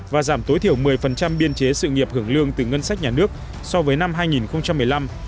và giảm tối thiểu một mươi biên chế sự nghiệp hưởng lương từ ngân sách nhà nước so với năm hai nghìn một mươi năm